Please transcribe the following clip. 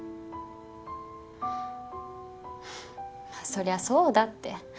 まあそりゃそうだって。